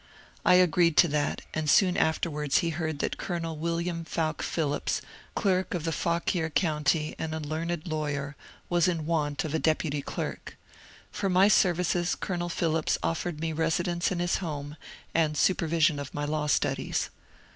I agreed to that, and soon afterwards he heard that Colonel William Fowke Phillips, clerk of Fauquier County and a learned lawyer, was in want of a deputy clerk. For my ser vices Colonel Phillips offered me residence in his home and supervision of my law studies.